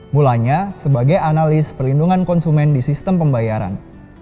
mulanya sebagai analis perlindungan konsumen di sistem pembayaran